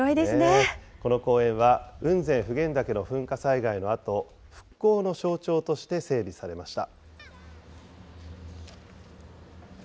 この公園は、雲仙・普賢岳の噴火災害のあと、復興の象徴として整備されました。